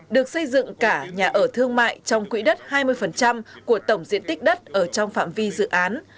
được xây dựng cả nhà ở thương mại trong quỹ đất hai mươi của tổng diện tích đất ở trong phạm vi dự án